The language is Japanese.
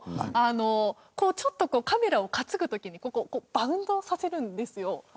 ちょっとカメラを担ぐ時にここバウンドさせるんですよ。